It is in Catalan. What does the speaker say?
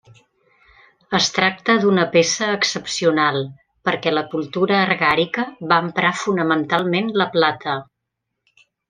Es tracta d'una peça excepcional, perquè la cultura argàrica va emprar fonamentalment la plata.